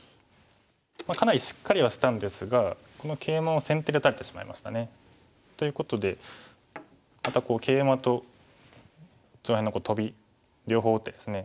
かなりしっかりはしたんですがこのケイマを先手で打たれてしまいましたね。ということでまたケイマと上辺のトビ両方打ってですね